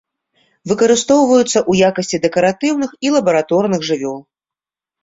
Выкарыстоўваюцца ў якасці дэкаратыўных і лабараторных жывёл.